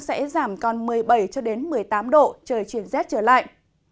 sẽ giảm còn một mươi bảy một mươi tám độ trời chuyển rét trở lại